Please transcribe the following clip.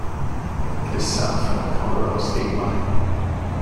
It is south from the Colorado state line.